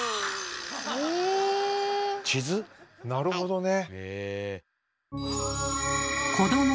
なるほどね。